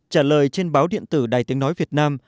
trả lời trên báo điện tử đài tiếng nói việt nam